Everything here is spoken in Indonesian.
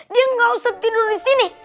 dia ga usah tidur disini